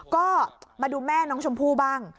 ก็มาดูแม่น้องชมพู่บ้าง